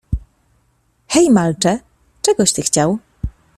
"Hej, malcze, czegoś ty chciał?"